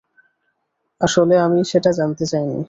আসলে, আমি সেটা জানতে চাইনি।